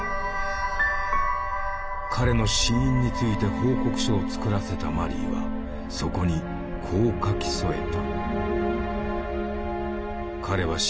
彼の死因について報告書を作らせたマリーはそこにこう書き添えた。